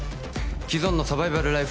既存のサバイバルライフ